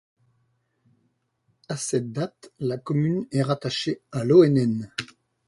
À cette date, la commune est rattachée à Loenen.